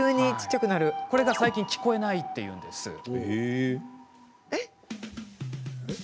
これが、最近聞こえないというんです。